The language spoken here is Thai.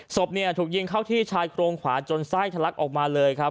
ศพเนี่ยถูกยิงเข้าที่ชายโครงขวาจนไส้ทะลักออกมาเลยครับ